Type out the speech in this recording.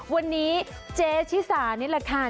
วันนี้เจ๊ชิสานี่แหละค่ะ